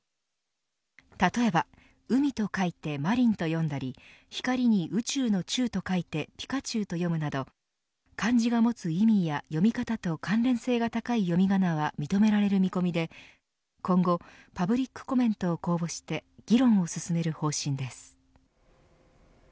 例えば海と書いてまりんと呼んだり光に宇宙の宙と書いてぴかちゅうと読むなど漢字が持つ意味や読み方と関連性が高い読み仮名は認められる見込みで今後パブリックコメントを公募して議論を進める方針です。